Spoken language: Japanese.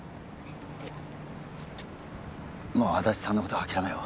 もう安達さんのことは諦めよう